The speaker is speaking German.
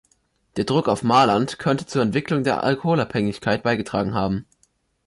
Der Druck auf Marland könnte zur Entwicklung der Alkoholabhängigkeit beigetragen haben.